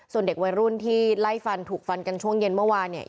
ส่วนเด็กวัยรุ่นที่ไล่ฟันถูกฟันกันช่วงเย็นเมื่อวานเนี่ย